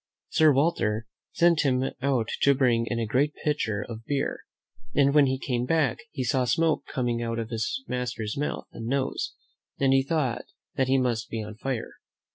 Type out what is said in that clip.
Sir Walter sent him out to bring in a great pitcher of beer, and when he came back he saw smoke coming out of his master's mouth and nose, and he thought that he must be on fire.